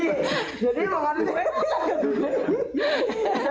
ipoh harus pinter pinter